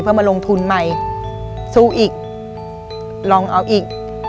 เพื่อมาลงทุนใหม่สู้อีกลองเอาอีก